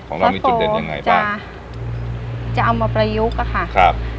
ของเรามีจุดเด่นยังไงบ้างค่ะจะเอามาประยุกต์อ่ะค่ะครับ